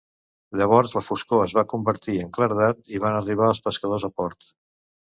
Llavors la foscor es va convertir en claredat i van arribar els pescadors a port.